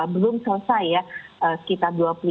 belum selesai ya sekitar